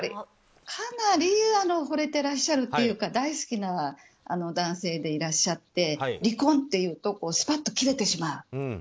かなりほれてらっしゃるというか大好きな男性でいらっしゃって離婚っていうとスパッと切れてしまう。